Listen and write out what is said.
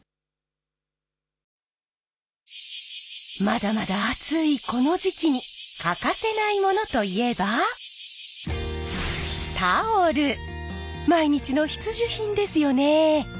まだまだ暑いこの時期に欠かせないものといえば毎日の必需品ですよね？